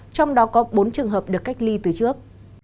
trong đó có bốn trường hợp được cách ly từ trước